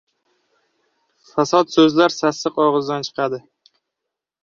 • Fasod so‘zlar sassiq og‘izdan chiqadi.